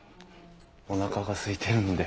おなかがすいてるので。